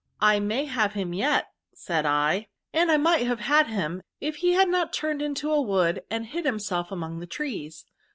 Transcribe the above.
/ may have him yet, said I ; and / might have had him^ if he had not turned into a wood and hid himself among the trees.